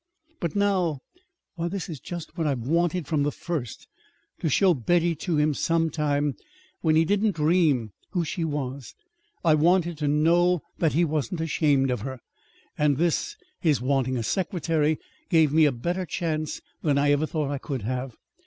"But now why, this is just what I've wanted from the first to show Betty to him, some time, when he didn't dream who she was. I wanted to know that he wasn't ashamed of her. And this (his wanting a secretary) gave me a better chance than I ever thought I could have.